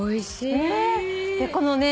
このね